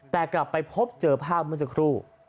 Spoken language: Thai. แต่กลับไปพบเจอภาพเมื่อสักครู่